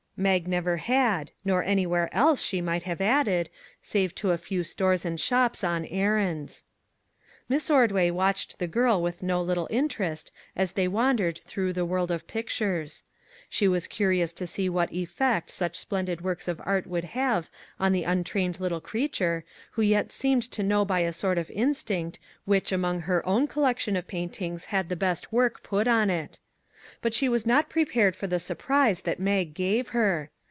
Mag never had; nor anywhere else, she might have added, save to a few stores and shops on errands. Miss Ordway watched the girl with no little interest as they wandered through the world of pictures. She was curious to see what effect such splendid works of art would have on the untrained little creature, who yet seemed to know by a sort of instinct which among her own collection of paintings had the best work put on it. But she was not prepared for the surprise that Mag gave her.